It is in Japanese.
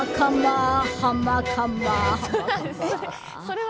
ハンマーカンマー。